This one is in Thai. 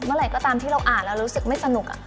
เมื่อไหร่ก็ตามที่เราอ่านแล้วรู้สึกไม่สนุก